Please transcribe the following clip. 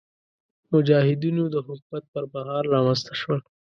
مجاهدینو د حکومت پر مهال رامنځته شول.